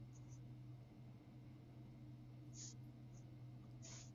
Y term generig am y cyfwerth morwrol o swyddogion y fyddin yw swyddog baner.